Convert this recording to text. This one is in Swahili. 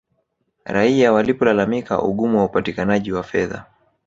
raia walipolalamikia ugumu wa upatikanaji wa fedha